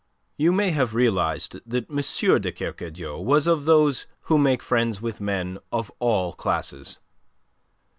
You may have realized that M. de Kercadiou was of those who make friends with men of all classes.